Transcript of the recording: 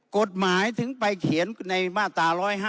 กฎหมายถึงไปเขียนในมาตรา๑๕